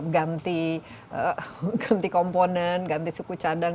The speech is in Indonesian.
ganti komponen ganti suku cadang